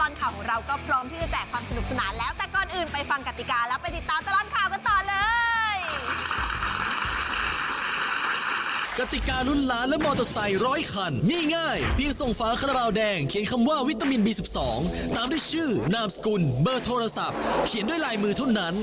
และตลอดข่าวของเราก็พร้อมที่จะแจกความสนุกสนาน